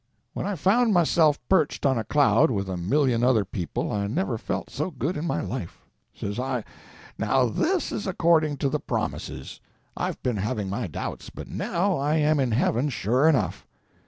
When I found myself perched on a cloud, with a million other people, I never felt so good in my life. Says I, "Now this is according to the promises; I've been having my doubts, but now I am in heaven, sure enough."